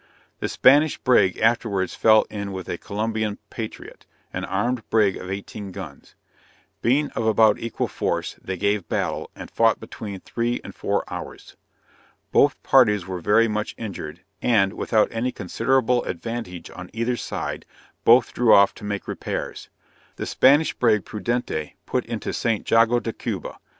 The Spanish brig afterwards fell in with a Columbian Patriot, an armed brig of eighteen guns. Being of about equal force, they gave battle, and fought between three and four hours. Both parties were very much injured; and, without any considerable advantage on either side, both drew off to make repairs. The Spanish brig Prudentee, put into St. Jago de Cuba.